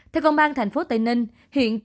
theo công an tp tây ninh